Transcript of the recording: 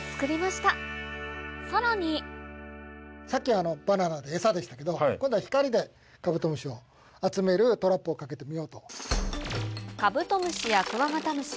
さらにさっきバナナでエサでしたけど今度は光でカブトムシを集めるトラップを掛けてみようと。